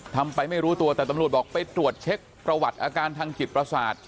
ทำไปไม่รู้ตัวแต่ตำรวจบอกไปตรวจเช็คประวัติอาการทางจิตประสาท